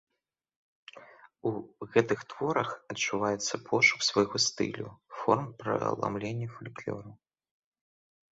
У гэтых творах адчуваецца пошук свайго стылю, форм праламлення фальклору.